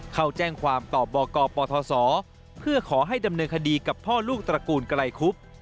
เข้าแจ้งความต่อบกปทศเพื่อขอให้ดำเนินคดีกับพ่อลูกตระกูลไกลคุบ